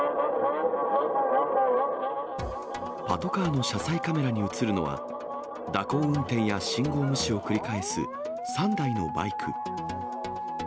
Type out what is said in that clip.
パトカーの車載カメラに写るのは、蛇行運転や信号無視を繰り返す３台のバイク。